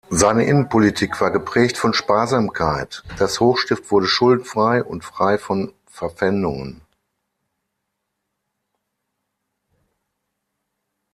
Seine Innenpolitik war geprägt von Sparsamkeit, das Hochstift wurde schuldenfrei und frei von Verpfändungen.